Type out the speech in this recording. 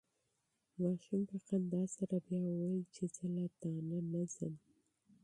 ماشوم په خندا سره بیا وویل چې زه له تا نه ځم.